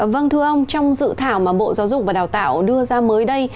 vâng thưa ông trong dự thảo mà bộ giáo dục và đào tạo đưa ra mới đây